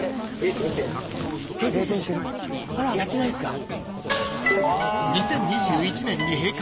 やってないっすか。